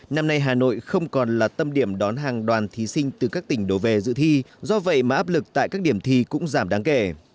năm nay hà nội không còn là tâm điểm đón hàng đoàn thí sinh từ các tỉnh đổ về dự thi do vậy mà áp lực tại các điểm thi cũng giảm đáng kể